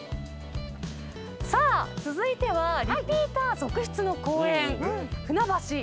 さあ続いてはリピーター続出の公園。